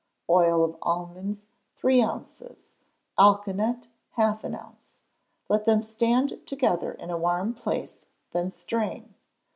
Oil of almonds, three ounces; alkanet, half an ounce. Let them stand together in a warm place, then strain.